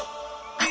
あっ！